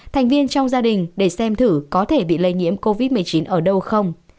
thành viên trong gia đình để xem thử có thể bị lây nhiễm covid một mươi chín ở đâu không